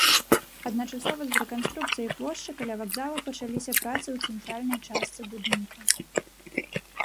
Адначасова з рэканструкцыяй плошчы каля вакзала пачаліся працы ў цэнтральнай частцы будынка.